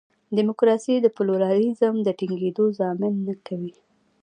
ډیموکراسي د پلورالېزم د ټینګېدو ضامن نه کوي.